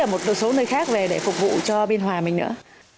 lấy cả một số nơi khác về để phục vụ cho biên hòa mình nữa